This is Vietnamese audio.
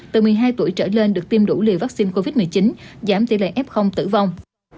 từ một mươi hai tuổi trở lên được tiêm đủ liều vaccine covid một mươi chín giảm tỷ lệ f tử vong